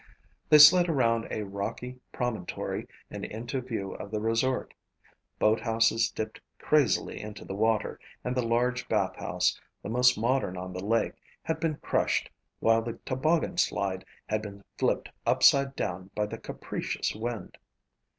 They slid around a rocky promontory and into view of the resort. Boathouses dipped crazily into the water and the large bath house, the most modern on the lake, had been crushed while the toboggan slide had been flipped upside down by the capricious wind.